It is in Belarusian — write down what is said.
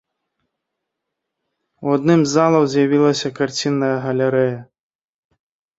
У адным з залаў з'явілася карцінная галерэя.